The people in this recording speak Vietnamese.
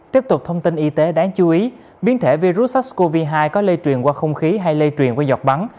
tiếp tục thông tin y tế đáng chú ý biến thể virus sars cov hai có lây truyền qua không khí hay lây truyền qua dọc bắn